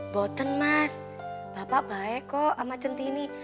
boten mas bapak baik kok sama centini